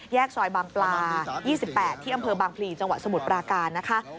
ซอยบางปลา๒๘ที่อำเภอบางพลีจังหวัดสมุทรปราการนะคะ